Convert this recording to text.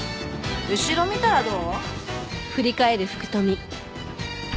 後ろ見たらどう？